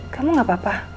kamu gak apa apa